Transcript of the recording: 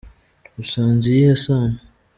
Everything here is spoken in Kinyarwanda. Usanze iyihe sano